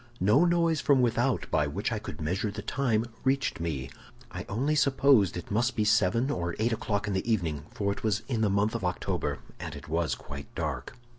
"No noise from without by which I could measure the time reached me; I only supposed it must be seven or eight o'clock in the evening, for it was in the month of October and it was quite dark.